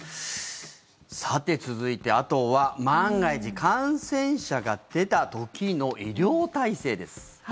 続いて、あとは万が一感染者が出た時の医療体制です。